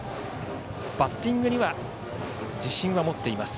バッティングには自信を持っています